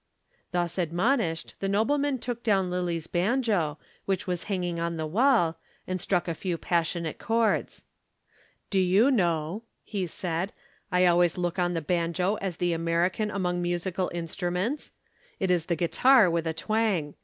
Thus admonished, the nobleman took down Lillie's banjo, which was hanging on the wall, and struck a few passionate chords. "Do you know," he said, "I always look on the banjo as the American among musical instruments. It is the guitar with a twang.